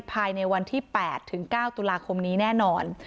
ภายในวันที่๘ถึง๙ตุลาคมนี้แน่นอน